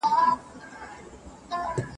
د ميرمنې مریضي د کومو امورو څخه شمېرل کيږي؟